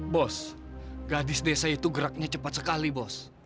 bos gadis desa itu geraknya cepat sekali bos